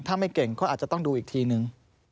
ถ้าไม่เก่งก็อาจจะต้องดูอีกทีนึง